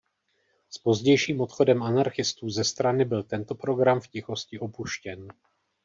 S pozdějším odchodem anarchistů ze strany byl tento program v tichosti opuštěn.